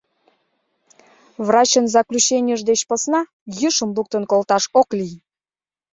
Врачын заключенийже деч посна йӱшым луктын колташ ок лий.